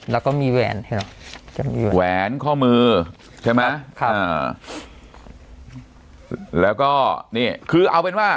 แล้วก็มีแหวนใช่ไหมแหวนข้อมือใช่ไหมครับอ่าแล้วก็นี่คือเอาเป็นว่า